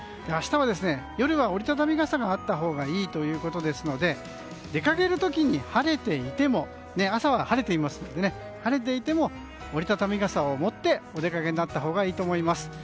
明日は夜は折り畳み傘があったほうがいいですので出かける時に晴れていても朝は晴れていますので折り畳み傘を持ってお出かけになったほうがいいと思います。